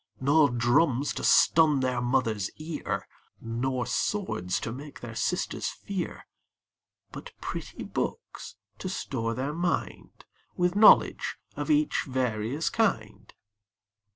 No drums to stun their Mother's ear, Nor swords to make their sisters fear; But pretty books to store their mind With knowledge of each various kind.